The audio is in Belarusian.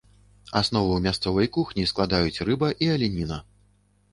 Аснову мясцовай кухні складаюць рыба і аленіна.